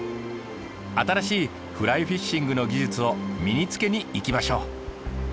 新しいフライフィッシングの技術を身につけに行きましょう！